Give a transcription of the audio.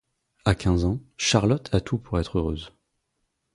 À quinze ans, Charlotte a tout pour être heureuse.